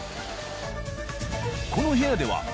この部屋では。